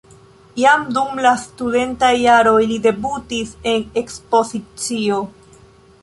Jam dum la studentaj jaroj li debutis en ekspozicio.